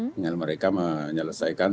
dengan mereka menyelesaikan